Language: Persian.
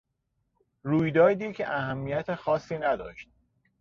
رویدادی که اهمیت خاصی نداشت.